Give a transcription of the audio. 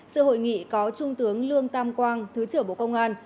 sự hội nghị có trung tướng lương tam quang thứ trưởng bộ công an